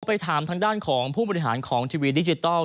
ไปถามทางด้านของผู้บริหารของทีวีดิจิทัล